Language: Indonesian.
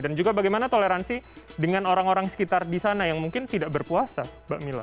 dan juga bagaimana toleransi dengan orang orang sekitar di sana yang mungkin tidak berpuasa mbak mila